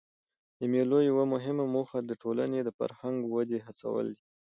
د مېلو یوه مهمه موخه د ټولني د فرهنګي ودي هڅول دي.